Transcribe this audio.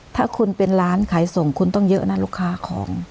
ถ้าคุณเป็นร้านขายส่งคุณต้องเยอะนะลูกค้าของ